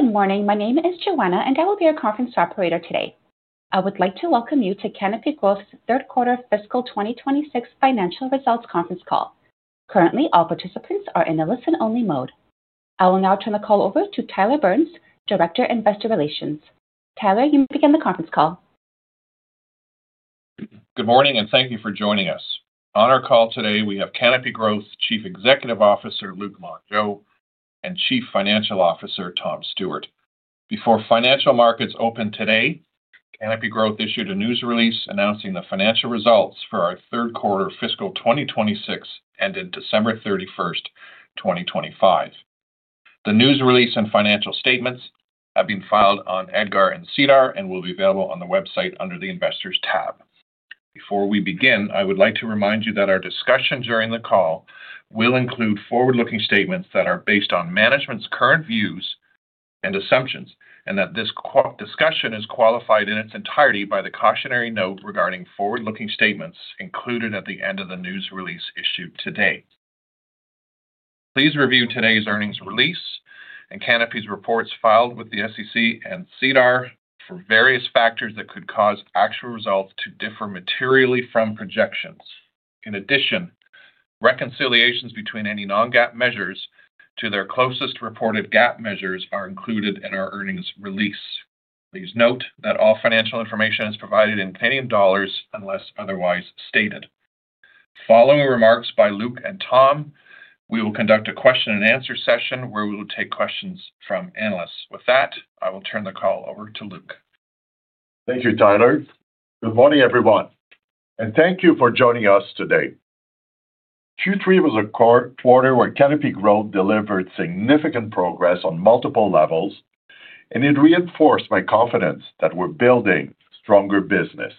Good morning, my name is Joanna and I will be your conference operator today. I would like to welcome you to Canopy Growth's third quarter fiscal 2026 financial results conference call. Currently all participants are in a listen-only mode. I will now turn the call over to Tyler Burns, Director Investor Relations. Tyler, you may begin the conference call. Good morning and thank you for joining us. On our call today we have Canopy Growth Chief Executive Officer Luc Mongeau and Chief Financial Officer Tom Stewart. Before financial markets open today, Canopy Growth issued a news release announcing the financial results for our third quarter fiscal 2026 ended December 31, 2025. The news release and financial statements have been filed on EDGAR and SEDAR+ and will be available on the website under the Investors tab. Before we begin, I would like to remind you that our discussion during the call will include forward-looking statements that are based on management's current views and assumptions, and that this discussion is qualified in its entirety by the cautionary note regarding forward-looking statements included at the end of the news release issued today. Please review today's earnings release and Canopy's reports filed with the SEC and SEDAR+ for various factors that could cause actual results to differ materially from projections. In addition, reconciliations between any non-GAAP measures to their closest reported GAAP measures are included in our earnings release. Please note that all financial information is provided in Canadian dollars unless otherwise stated. Following remarks by Luc and Tom, we will conduct a question-and-answer session where we will take questions from analysts. With that, I will turn the call over to Luc. Thank you, Tyler. Good morning, everyone, and thank you for joining us today. Q3 was a quarter where Canopy Growth delivered significant progress on multiple levels, and it reinforced my confidence that we're building stronger business.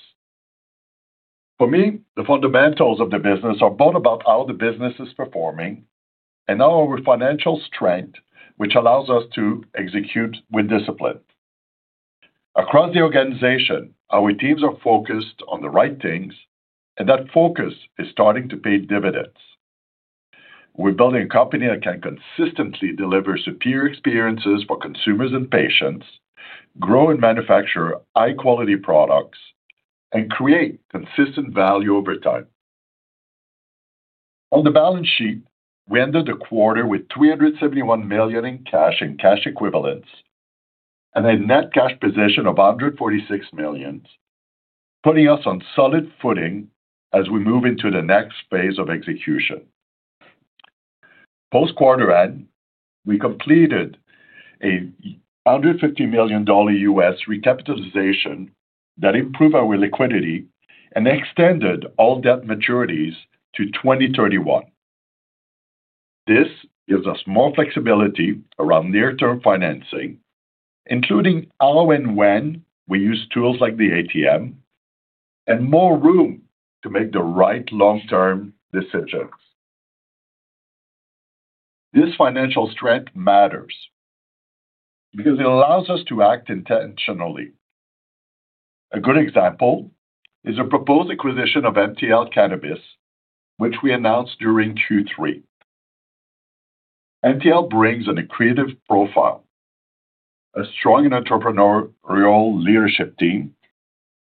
For me, the fundamentals of the business are both about how the business is performing and our financial strength, which allows us to execute with discipline. Across the organization, our teams are focused on the right things, and that focus is starting to pay dividends. We're building a company that can consistently deliver superior experiences for consumers and patients, grow and manufacture high-quality products, and create consistent value over time. On the balance sheet, we ended the quarter with 371 million in cash and cash equivalents, and a net cash position of 146 million, putting us on solid footing as we move into the next phase of execution. Post-quarter end, we completed a $150 million recapitalization that improved our liquidity and extended all debt maturities to 2031. This gives us more flexibility around near-term financing, including how and when we use tools like the ATM, and more room to make the right long-term decisions. This financial strength matters because it allows us to act intentionally. A good example is a proposed acquisition of MTL Cannabis, which we announced during Q3. MTL brings a creative profile, a strong entrepreneurial leadership team,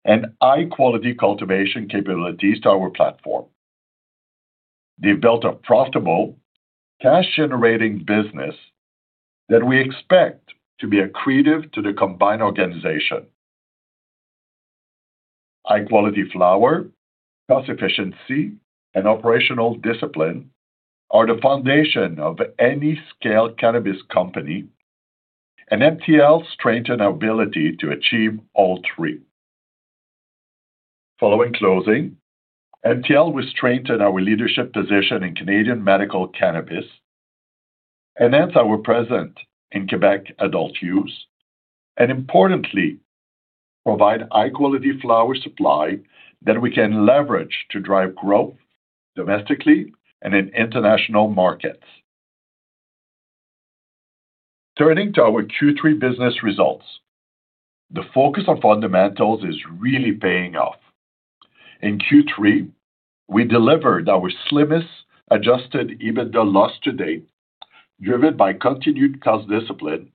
and high-quality cultivation capabilities to our platform. They've built a profitable, cash-generating business that we expect to be accretive to the combined organization. High-quality flower, cost efficiency, and operational discipline are the foundation of any scale cannabis company, and MTL strengthened our ability to achieve all three. Following closing, MTL will strengthen our leadership position in Canadian medical cannabis, enhance our presence in Quebec adult use, and importantly, provide high-quality flower supply that we can leverage to drive growth domestically and in international markets. Turning to our Q3 business results, the focus on fundamentals is really paying off. In Q3, we delivered our slimmest Adjusted EBITDA loss to date, driven by continued cost discipline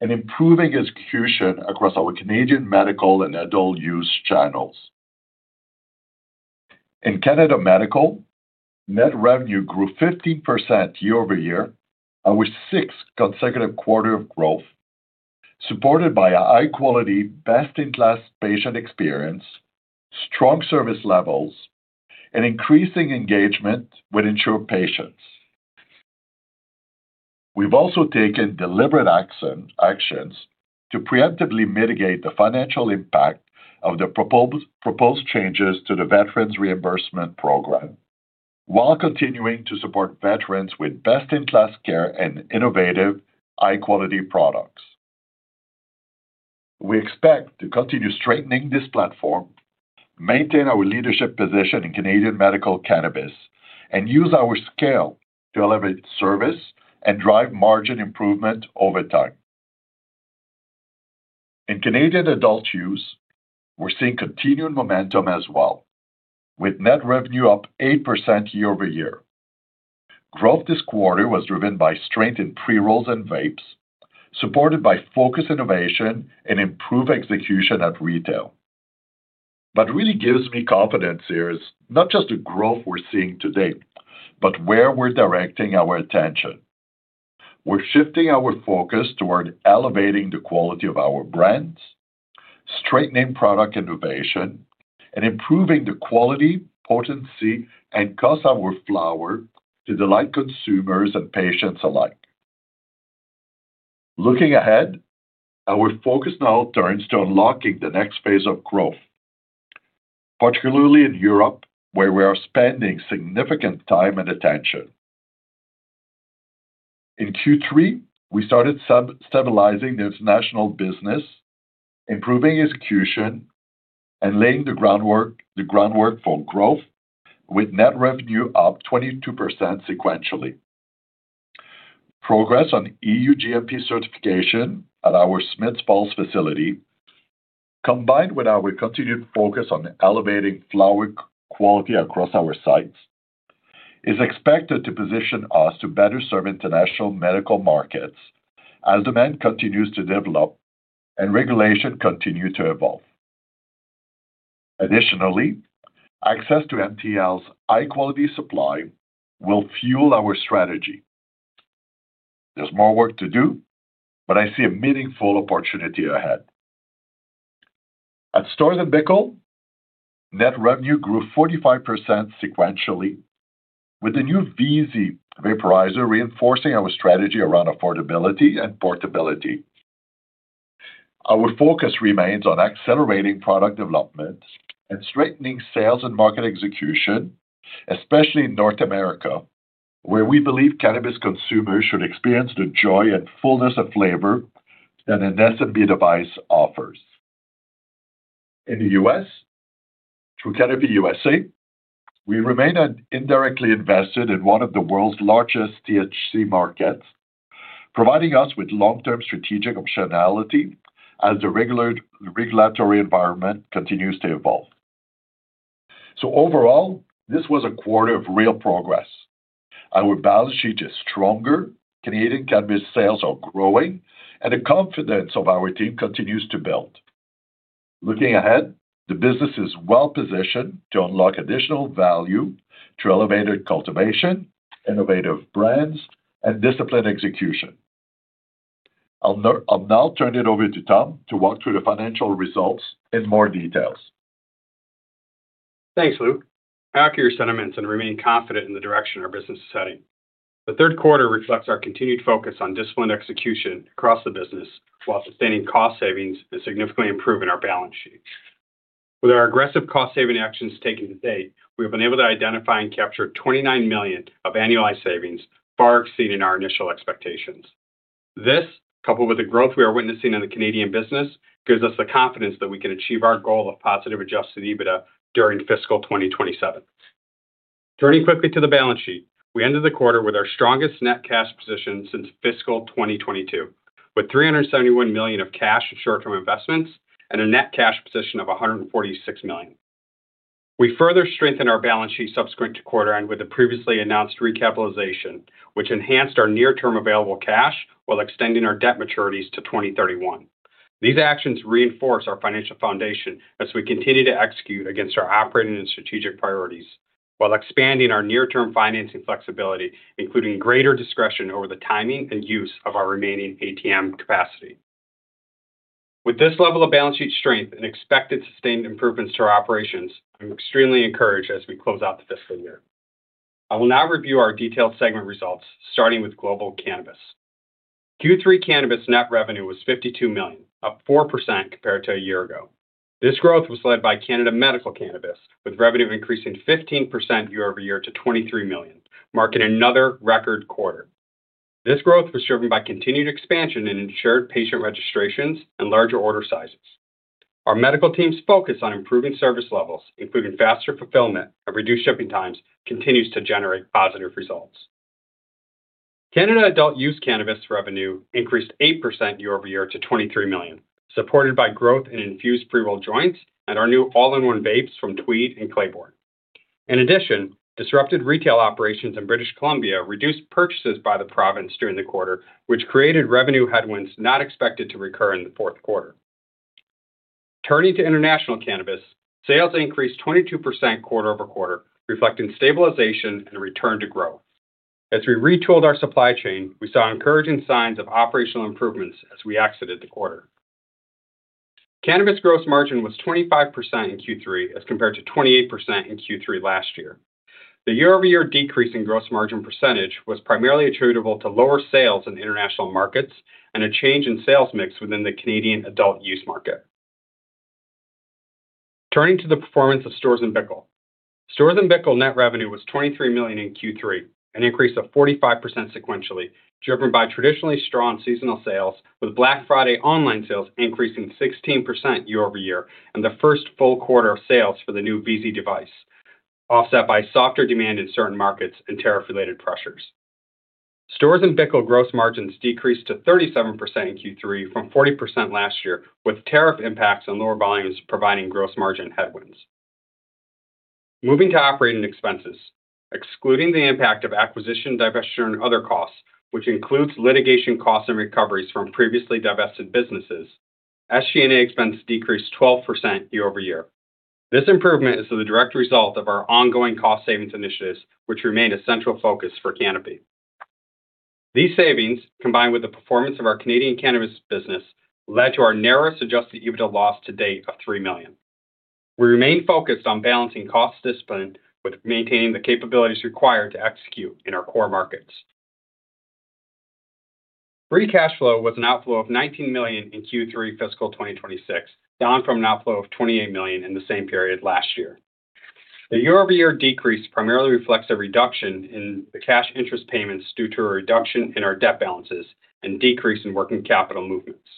and improving execution across our Canadian medical and adult use channels. In Canadian Medical, net revenue grew 15% year-over-year, our sixth consecutive quarter of growth, supported by a high-quality, best-in-class patient experience, strong service levels, and increasing engagement with insured patients. We've also taken deliberate actions to preemptively mitigate the financial impact of the proposed changes to the Veterans Reimbursement Program while continuing to support veterans with best-in-class care and innovative, high-quality products. We expect to continue strengthening this platform, maintain our leadership position in Canadian medical cannabis, and use our scale to elevate service and drive margin improvement over time. In Canadian adult use, we're seeing continued momentum as well, with net revenue up 8% year-over-year. Growth this quarter was driven by strength in pre-rolls and vapes, supported by focused innovation and improved execution at retail. What really gives me confidence here is not just the growth we're seeing today, but where we're directing our attention. We're shifting our focus toward elevating the quality of our brands, strengthening product innovation, and improving the quality, potency, and cost of our flower to delight consumers and patients alike. Looking ahead, our focus now turns to unlocking the next phase of growth, particularly in Europe where we are spending significant time and attention. In Q3, we started stabilizing the international business, improving execution, and laying the groundwork for growth with net revenue up 22% sequentially. Progress on EU GMP certification at our Smiths Falls facility, combined with our continued focus on elevating flower quality across our sites, is expected to position us to better serve international medical markets as demand continues to develop and regulation continues to evolve. Additionally, access to MTL's high-quality supply will fuel our strategy. There's more work to do, but I see a meaningful opportunity ahead. At Storz & Bickel, net revenue grew 45% sequentially, with the new VEAZY vaporizer reinforcing our strategy around affordability and portability. Our focus remains on accelerating product development and straightening sales and market execution, especially in North America, where we believe cannabis consumers should experience the joy and fullness of flavor that an S&B device offers. In the U.S., through Canopy USA, we remain indirectly invested in one of the world's largest THC markets, providing us with long-term strategic optionality as the regulatory environment continues to evolve. Overall, this was a quarter of real progress. Our balance sheet is stronger, Canadian cannabis sales are growing, and the confidence of our team continues to build. Looking ahead, the business is well positioned to unlock additional value through elevated cultivation, innovative brands, and disciplined execution. I'll now turn it over to Tom to walk through the financial results in more details. Thanks, Luc. I share sentiments and remain confident in the direction our business is heading. The third quarter reflects our continued focus on disciplined execution across the business while sustaining cost savings and significantly improving our balance sheet. With our aggressive cost-saving actions taken to date, we have been able to identify and capture $29 million of annualized savings far exceeding our initial expectations. This, coupled with the growth we are witnessing in the Canadian business, gives us the confidence that we can achieve our goal of positive Adjusted EBITDA during fiscal 2027. Turning quickly to the balance sheet, we ended the quarter with our strongest net cash position since fiscal 2022, with $371 million of cash and short-term investments and a net cash position of $146 million. We further strengthened our balance sheet subsequent to quarter end with the previously announced recapitalization, which enhanced our near-term available cash while extending our debt maturities to 2031. These actions reinforce our financial foundation as we continue to execute against our operating and strategic priorities while expanding our near-term financing flexibility, including greater discretion over the timing and use of our remaining ATM capacity. With this level of balance sheet strength and expected sustained improvements to our operations, I'm extremely encouraged as we close out the fiscal year. I will now review our detailed segment results, starting with global cannabis. Q3 cannabis net revenue was $52 million, up 4% compared to a year ago. This growth was led by Canada Medical Cannabis, with revenue increasing 15% year-over-year to $23 million, marking another record quarter. This growth was driven by continued expansion in insured patient registrations and larger order sizes. Our medical team's focus on improving service levels, including faster fulfillment and reduced shipping times, continues to generate positive results. Canada adult use cannabis revenue increased 8% year-over-year to 23 million, supported by growth in infused pre-roll joints and our new all-in-one vapes from Tweed and Claybourne. In addition, disrupted retail operations in British Columbia reduced purchases by the province during the quarter, which created revenue headwinds not expected to recur in the fourth quarter. Turning to international cannabis, sales increased 22% quarter-over-quarter, reflecting stabilization and return to growth. As we retooled our supply chain, we saw encouraging signs of operational improvements as we exited the quarter. Cannabis gross margin was 25% in Q3 as compared to 28% in Q3 last year. The year-over-year decrease in gross margin percentage was primarily attributable to lower sales in international markets and a change in sales mix within the Canadian adult use market. Turning to the performance of Storz & Bickel. Storz & Bickel net revenue was $23 million in Q3, an increase of 45% sequentially, driven by traditionally strong seasonal sales, with Black Friday online sales increasing 16% year over year and the first full quarter of sales for the new VEAZY device, offset by softer demand in certain markets and tariff-related pressures. Storz & Bickel gross margins decreased to 37% in Q3 from 40% last year, with tariff impacts on lower volumes providing gross margin headwinds. Moving to operating expenses, excluding the impact of acquisition, divestiture, and other costs, which includes litigation costs and recoveries from previously divested businesses, SG&A expense decreased 12% year over year. This improvement is the direct result of our ongoing cost savings initiatives, which remain a central focus for Canopy. These savings, combined with the performance of our Canadian cannabis business, led to our narrowest Adjusted EBITDA loss to date of 3 million. We remain focused on balancing cost discipline with maintaining the capabilities required to execute in our core markets. Free Cash Flow was an outflow of 19 million in Q3 fiscal 2026, down from an outflow of 28 million in the same period last year. The year-over-year decrease primarily reflects a reduction in the cash interest payments due to a reduction in our debt balances and decrease in working capital movements.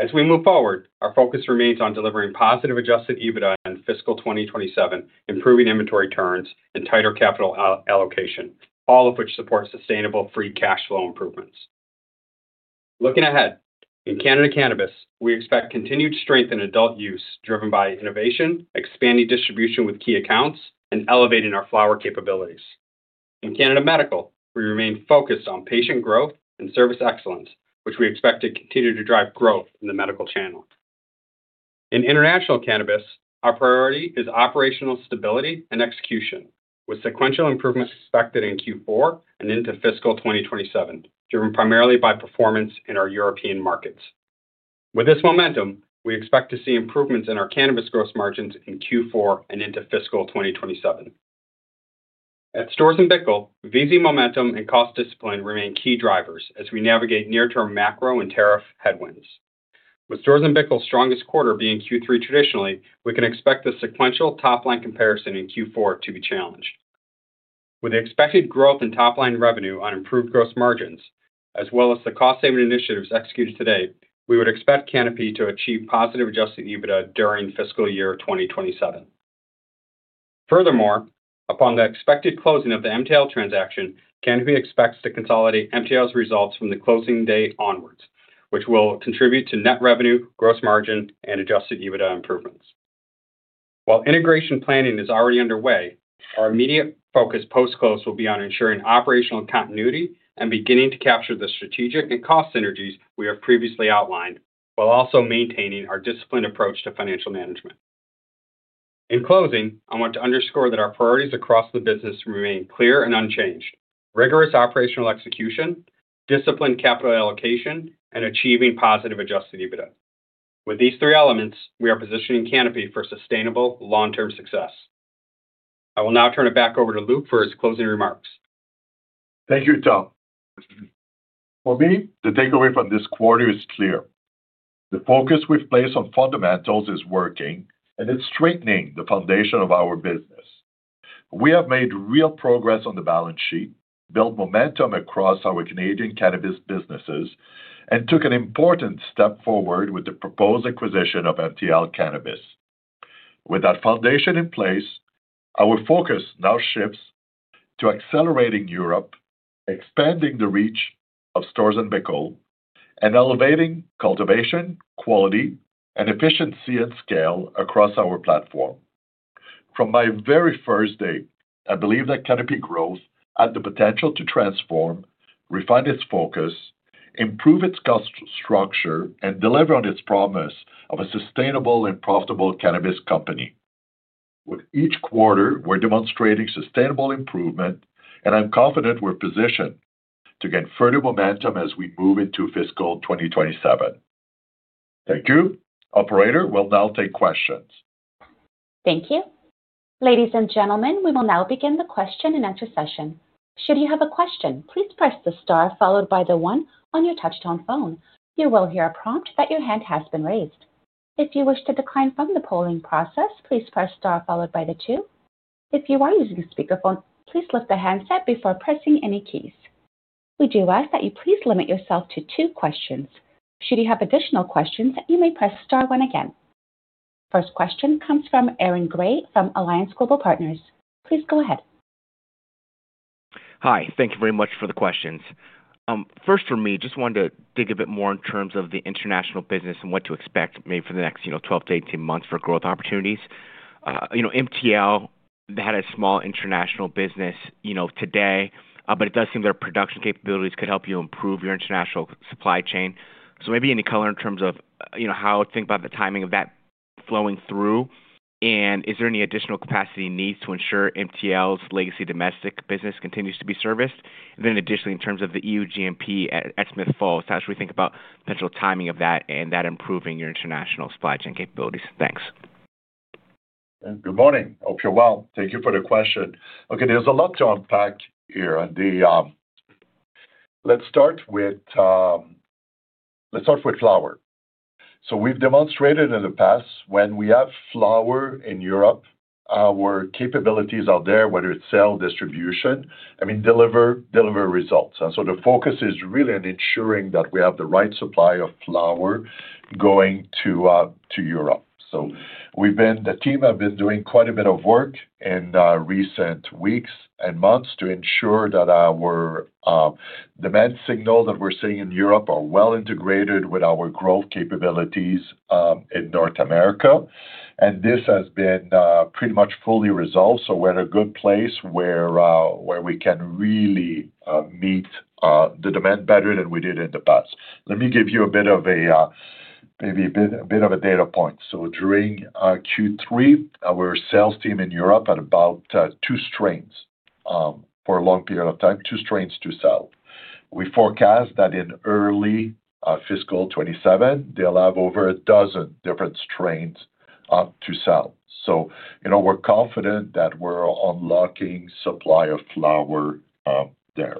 As we move forward, our focus remains on delivering positive Adjusted EBITDA in fiscal 2027, improving inventory turns, and tighter capital allocation, all of which support sustainable Free Cash Flow improvements. Looking ahead, in Canada Cannabis, we expect continued strength in adult use driven by innovation, expanding distribution with key accounts, and elevating our flower capabilities. In Canada Medical, we remain focused on patient growth and service excellence, which we expect to continue to drive growth in the medical channel. In international cannabis, our priority is operational stability and execution, with sequential improvements expected in Q4 and into fiscal 2027, driven primarily by performance in our European markets. With this momentum, we expect to see improvements in our cannabis gross margins in Q4 and into fiscal 2027. At Storz & Bickel, VEAZY momentum and cost discipline remain key drivers as we navigate near-term macro and tariff headwinds. With Storz & Bickel's strongest quarter being Q3 traditionally, we can expect the sequential top-line comparison in Q4 to be challenged. With the expected growth in top-line revenue on improved gross margins, as well as the cost-saving initiatives executed today, we would expect Canopy to achieve positive Adjusted EBITDA during fiscal year 2027. Furthermore, upon the expected closing of the MTL transaction, Canopy expects to consolidate MTL's results from the closing day onwards, which will contribute to net revenue, gross margin, and Adjusted EBITDA improvements. While integration planning is already underway, our immediate focus post-close will be on ensuring operational continuity and beginning to capture the strategic and cost synergies we have previously outlined, while also maintaining our disciplined approach to financial management. In closing, I want to underscore that our priorities across the business remain clear and unchanged: rigorous operational execution, disciplined capital allocation, and achieving positive Adjusted EBITDA. With these three elements, we are positioning Canopy for sustainable, long-term success. I will now turn it back over to Luc for his closing remarks. Thank you, Tom. For me, the takeaway from this quarter is clear. The focus we've placed on fundamentals is working, and it's straightening the foundation of our business. We have made real progress on the balance sheet, built momentum across our Canadian cannabis businesses, and took an important step forward with the proposed acquisition of MTL Cannabis. With that foundation in place, our focus now shifts to accelerating Europe, expanding the reach of Storz & Bickel, and elevating cultivation, quality, and efficiency at scale across our platform. From my very first day, I believe that Canopy Growth had the potential to transform, refine its focus, improve its cost structure, and deliver on its promise of a sustainable and profitable cannabis company. With each quarter, we're demonstrating sustainable improvement, and I'm confident we're positioned to gain further momentum as we move into fiscal 2027. Thank you. Operator will now take questions. Thank you. Ladies and gentlemen, we will now begin the question-and-answer session. Should you have a question, please press the star followed by the 1 on your touchscreen phone. You will hear a prompt that your hand has been raised. If you wish to decline from the polling process, please press star followed by the 2. If you are using a speakerphone, please lift the handset before pressing any keys. We do ask that you please limit yourself to two questions. Should you have additional questions, you may press star 1 again. First question comes from Aaron Grey from Alliance Global Partners. Please go ahead. Hi. Thank you very much for the questions. First, for me, just wanted to dig a bit more in terms of the international business and what to expect, maybe for the next 12-18 months for growth opportunities. MTL had a small international business today, but it does seem that our production capabilities could help you improve your international supply chain. So maybe any color in terms of how to think about the timing of that flowing through, and is there any additional capacity needs to ensure MTL's legacy domestic business continues to be serviced? And then additionally, in terms of the EU GMP at Smiths Falls, how should we think about potential timing of that and that improving your international supply chain capabilities? Thanks. Good morning. Hope you're well. Thank you for the question. Okay, there's a lot to unpack here. Let's start with flower. So we've demonstrated in the past, when we have flower in Europe, our capabilities are there, whether it's sales, distribution, I mean, deliver results. And so the focus is really on ensuring that we have the right supply of flower going to Europe. So the team has been doing quite a bit of work in recent weeks and months to ensure that our demand signals that we're seeing in Europe are well integrated with our growth capabilities in North America. And this has been pretty much fully resolved. So we're in a good place where we can really meet the demand better than we did in the past. Let me give you a bit of a maybe a bit of a data point. So during Q3, our sales team in Europe had about two strains for a long period of time, two strains to sell. We forecast that in early fiscal 2027, they'll have over a dozen different strains to sell. So we're confident that we're unlocking supply of flower there.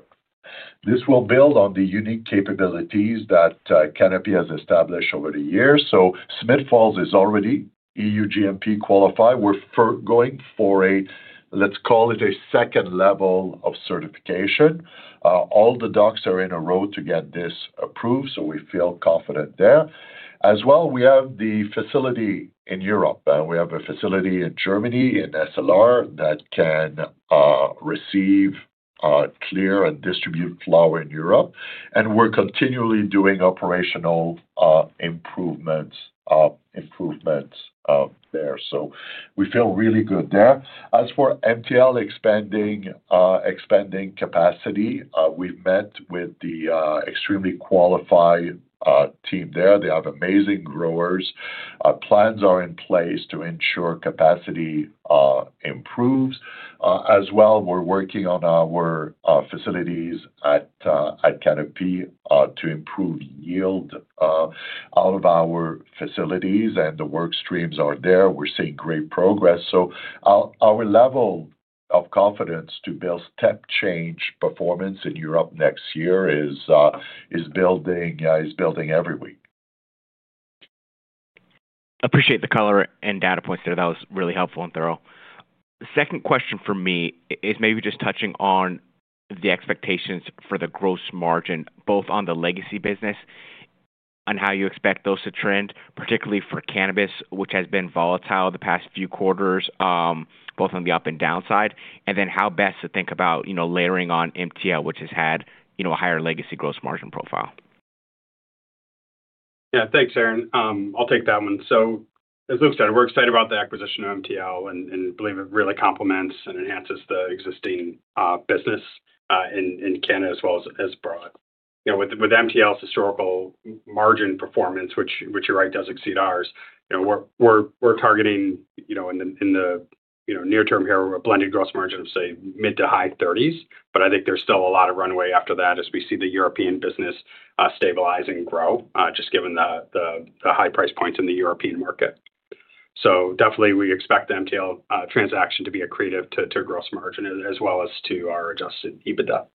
This will build on the unique capabilities that Canopy has established over the years. So Smiths Falls is already EU GMP qualified. We're going for a, let's call it, a second level of certification. All the docs are in a row to get this approved, so we feel confident there. As well, we have the facility in Europe. We have a facility in Germany in SLR that can receive, clear, and distribute flower in Europe. And we're continually doing operational improvements there. So we feel really good there. As for MTL expanding capacity, we've met with the extremely qualified team there. They have amazing growers. Plans are in place to ensure capacity improves. As well, we're working on our facilities at Canopy to improve yield out of our facilities, and the work streams are there. We're seeing great progress. Our level of confidence to build step-change performance in Europe next year is building every week. Appreciate the color and data points there. That was really helpful and thorough. Second question for me is maybe just touching on the expectations for the gross margin, both on the legacy business and how you expect those to trend, particularly for cannabis, which has been volatile the past few quarters, both on the up and down side, and then how best to think about layering on MTL, which has had a higher legacy gross margin profile. Yeah, thanks, Aaron. I'll take that one. So as Luc said, we're excited about the acquisition of MTL and believe it really complements and enhances the existing business in Canada as well as abroad. With MTL's historical margin performance, which you're right does exceed ours, we're targeting in the near-term here, a blended gross margin of, say, mid- to high 30s. But I think there's still a lot of runway after that as we see the European business stabilize and grow, just given the high price points in the European market. So definitely, we expect the MTL transaction to be accretive to gross margin as well as to our adjusted EBITDA.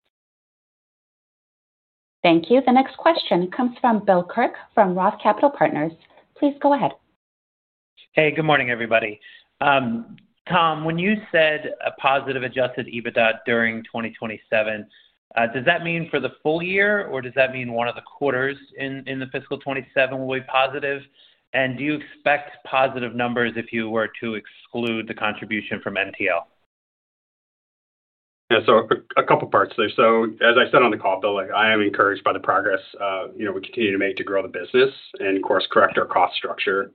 Thank you. The next question comes from Bill Kirk from Roth Capital Partners. Please go ahead. Hey, good morning, everybody. Tom, when you said a positive Adjusted EBITDA during 2027, does that mean for the full year, or does that mean one of the quarters in the fiscal 2027 will be positive? Do you expect positive numbers if you were to exclude the contribution from MTL? Yeah, so a couple of parts there. So as I said on the call, Bill, I am encouraged by the progress we continue to make to grow the business and, of course, correct our cost structure.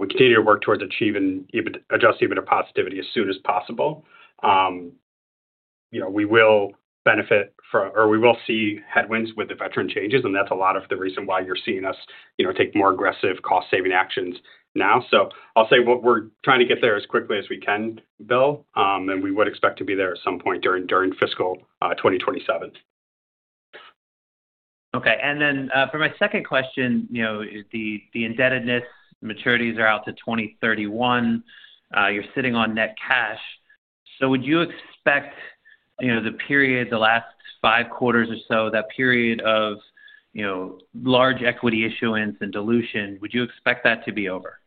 We continue to work towards achieving Adjusted EBITDA positivity as soon as possible. We will benefit from or we will see headwinds with the veteran changes, and that's a lot of the reason why you're seeing us take more aggressive cost-saving actions now. So I'll say what we're trying to get there as quickly as we can, Bill, and we would expect to be there at some point during fiscal 2027. Okay. And then for my second question, the indebtedness maturities are out to 2031. You're sitting on net cash. So would you expect the period, the last five quarters or so, that period of large equity issuance and dilution, would you expect that to be over?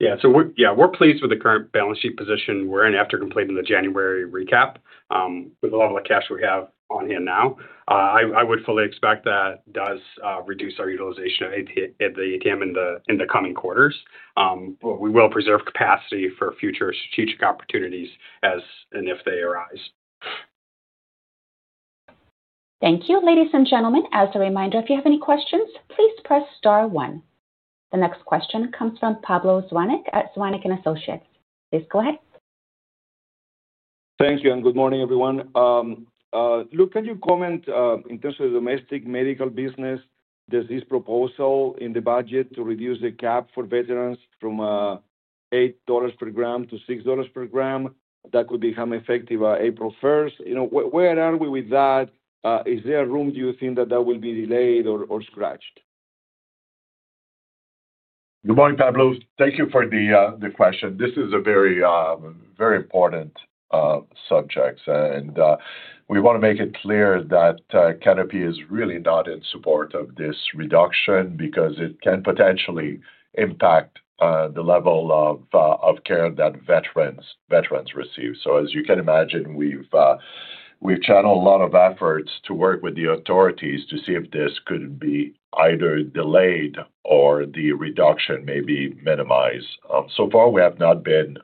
Yeah, so yeah, we're pleased with the current balance sheet position we're in after completing the January recap with the level of cash we have on hand now. I would fully expect that does reduce our utilization of the ATM in the coming quarters. But we will preserve capacity for future strategic opportunities and if they arise. Thank you. Ladies and gentlemen, as a reminder, if you have any questions, please press star one. The next question comes from Pablo Zuanic at Zuanic & Associates. Please go ahead. Thank you, and good morning, everyone. Luc, can you comment in terms of the domestic medical business? There's this proposal in the budget to reduce the cap for veterans from 8 dollars per gram to 6 dollars per gram. That could become effective April 1st. Where are we with that? Is there a room, do you think, that that will be delayed or scratched? Good morning, Pablo. Thank you for the question. This is a very, very important subject, and we want to make it clear that Canopy is really not in support of this reduction because it can potentially impact the level of care that veterans receive. So as you can imagine, we've channeled a lot of efforts to work with the authorities to see if this could be either delayed or the reduction may be minimized. So far, we have not been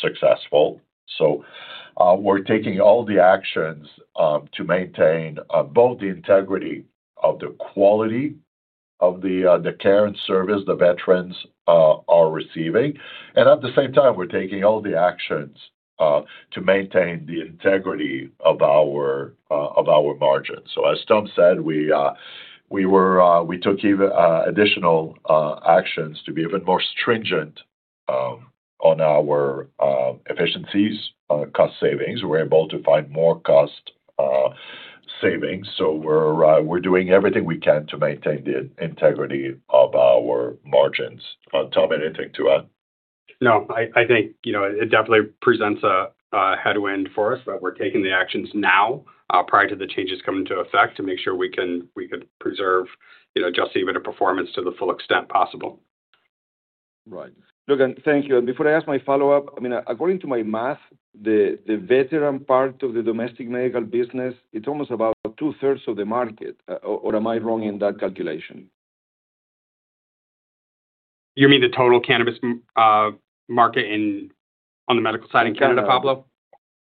successful. So we're taking all the actions to maintain both the integrity of the quality of the care and service the veterans are receiving. And at the same time, we're taking all the actions to maintain the integrity of our margins. So as Tom said, we took additional actions to be even more stringent on our efficiencies, cost savings. We're able to find more cost savings. We're doing everything we can to maintain the integrity of our margins. Tom, anything to add? No, I think it definitely presents a headwind for us that we're taking the actions now prior to the changes coming into effect to make sure we could preserve Adjusted EBITDA performance to the full extent possible. Right. Luc, thank you. Before I ask my follow-up, I mean, according to my math, the veteran part of the domestic medical business, it's almost about two-thirds of the market. Or am I wrong in that calculation? You mean the total cannabis market on the medical side in Canada, Pablo?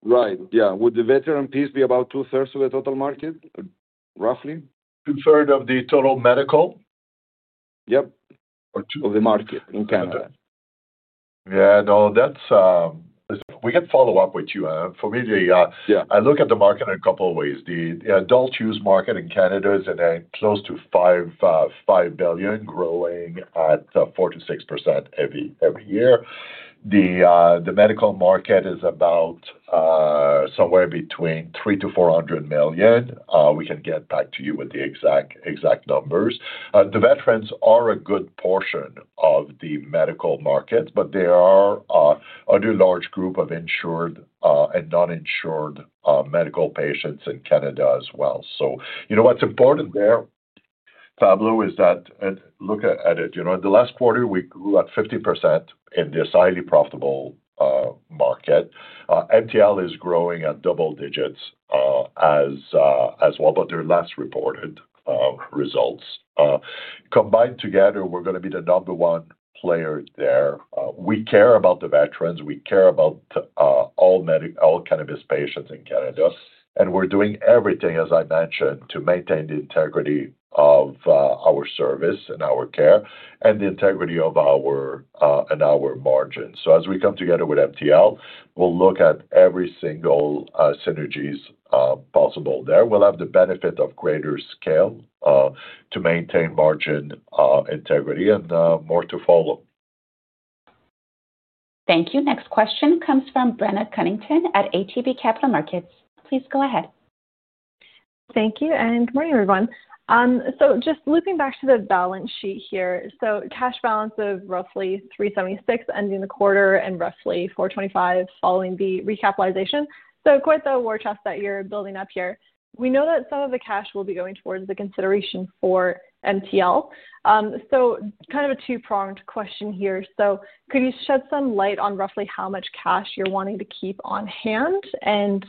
Right. Yeah. Would the veteran piece be about two-thirds of the total market, roughly? Two-thirds of the total medical? Yep. Of the market in Canada? Yeah, no, that's. We can follow up with you. For me, I look at the market in a couple of ways. The adult use market in Canada is close to 5 billion, growing at 4%-6% every year. The medical market is about somewhere between 300 million-400 million. We can get back to you with the exact numbers. The veterans are a good portion of the medical market, but there are a large group of insured and non-insured medical patients in Canada as well. So what's important there, Pablo, is that look at it. In the last quarter, we grew at 50% in this highly profitable market. MTL is growing at double digits as well, but they're last reported results. Combined together, we're going to be the number one player there. We care about the veterans. We care about all cannabis patients in Canada. We're doing everything, as I mentioned, to maintain the integrity of our service and our care and the integrity of our margins. As we come together with MTL, we'll look at every single synergies possible there. We'll have the benefit of greater scale to maintain margin integrity and more to follow. Thank you. Next question comes from Brenna Cunnington at ATB Capital Markets. Please go ahead. Thank you. Good morning, everyone. Just looping back to the balance sheet here. Cash balance of roughly 376 ending the quarter and roughly 425 following the recapitalization. Quite the war chest that you're building up here. We know that some of the cash will be going towards the consideration for MTL. Kind of a two-pronged question here. Could you shed some light on roughly how much cash you're wanting to keep on hand and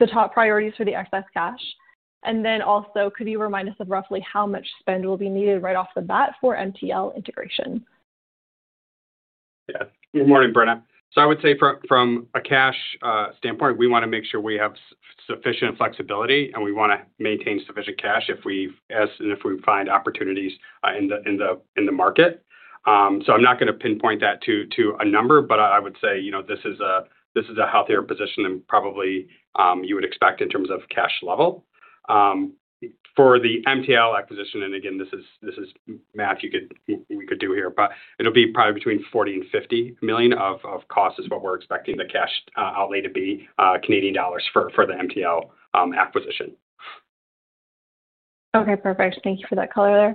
the top priorities for the excess cash? And then also, could you remind us of roughly how much spend will be needed right off the bat for MTL integration? Yeah. Good morning, Brenna. So I would say from a cash standpoint, we want to make sure we have sufficient flexibility, and we want to maintain sufficient cash if we find opportunities in the market. So I'm not going to pinpoint that to a number, but I would say this is a healthier position than probably you would expect in terms of cash level. For the MTL acquisition, and again, this is math we could do here, but it'll be probably between 40 million and 50 million of cost, which is what we're expecting the cash outlay to be, in Canadian dollars, for the MTL acquisition. Okay, perfect. Thank you for that color there.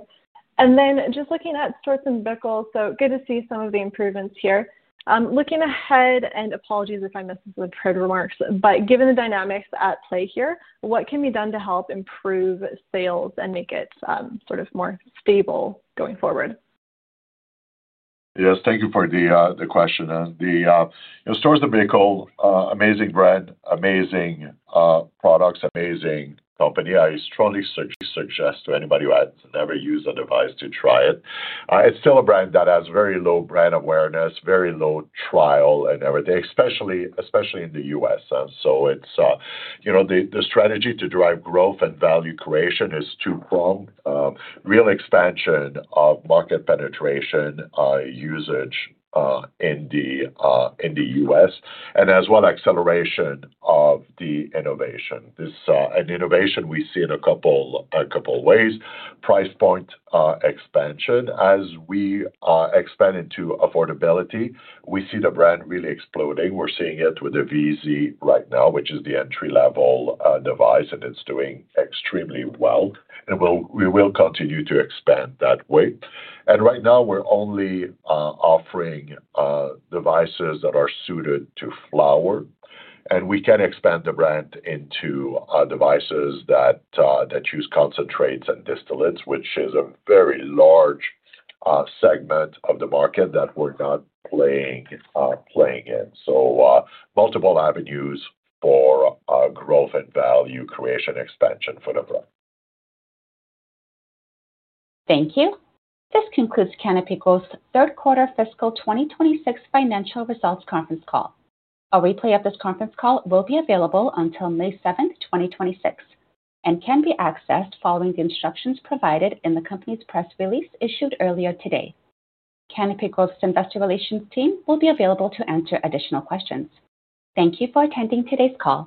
And then just looking at Storz & Bickel, so good to see some of the improvements here. Looking ahead and apologies if I missed some of the prepared remarks, but given the dynamics at play here, what can be done to help improve sales and make it sort of more stable going forward? Yes, thank you for the question. The Storz & Bickel, amazing brand, amazing products, amazing company. I strongly suggest to anybody who has never used a device to try it. It's still a brand that has very low brand awareness, very low trial and everything, especially in the U.S. So the strategy to drive growth and value creation is two-pronged: real expansion of market penetration usage in the U.S. and as well acceleration of the innovation. And innovation, we see in a couple of ways. Price point expansion, as we expand into affordability, we see the brand really exploding. We're seeing it with the VEAZ right now, which is the entry-level device, and it's doing extremely well. And we will continue to expand that way. And right now, we're only offering devices that are suited to flower. We can expand the brand into devices that use concentrates and distillates, which is a very large segment of the market that we're not playing in. Multiple avenues for growth and value creation expansion for the brand. Thank you. This concludes Canopy Growth's third-quarter fiscal 2026 financial results conference call. A replay of this conference call will be available until May 7th, 2026, and can be accessed following the instructions provided in the company's press release issued earlier today. Canopy Growth's investor relations team will be available to answer additional questions. Thank you for attending today's call.